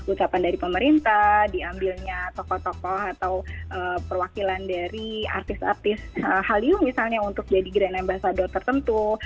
ucapan dari pemerintah diambilnya tokoh tokoh atau perwakilan dari artis artis haliu misalnya untuk jadi grand ambasador tertentu